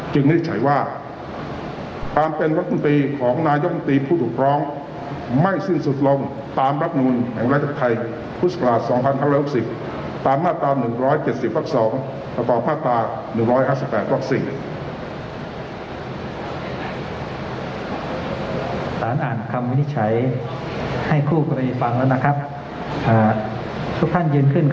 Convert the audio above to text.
จึงนิจฉัยว่าตามเป็นรัฐมนตรีของนายกรมนตรีผู้ถูกร้องไม่สิ้นสุดลงตามรับหนุนแห่งราชกรรมไทยพศ๒๕๖๐มาตรา๑๗๐ตัก๒หากออกมาตรา๑๕๘ตัก๔